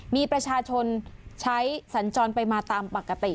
มีประชาชนใช้สัญจรไปมาตามปกติ